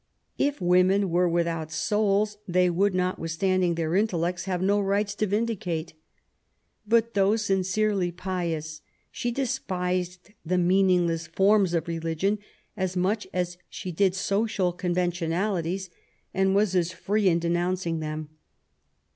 If women were without souls, they would, notwithstanding their intellects, have no rights to vindicate. But, though sincerely pious, she despised the meaningless forms of religion as much as she did social conventionalities, and was as free in denouncing them.